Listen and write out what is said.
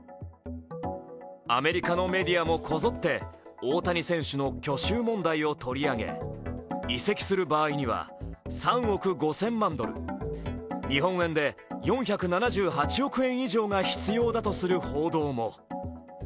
アメリカのメディアもこぞって大谷選手の去就問題を取り上げ移籍する場合には３億５０００万ドル、日本円で４７８億円以上が必要だとする報道も。